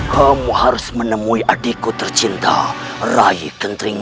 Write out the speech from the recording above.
kamu harus menemui adikku tercinta rayi gentrima nik